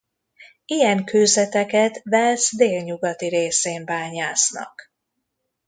Ilyen kőzeteket Wales délnyugati részén bányásznak.